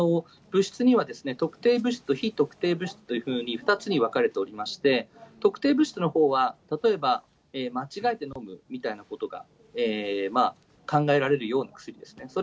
物質には特定物質と非特定物質というふうに２つに分かれておりまして、特定物質のほうは、例えば、間違えて飲むみたいなことが考えられるような薬ですね。